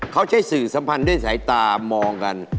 เขาใช้สื่อสัมพันธ์ด้วยสายตามองกัน